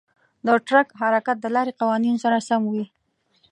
د ټرک حرکت د لارې قوانینو سره سم وي.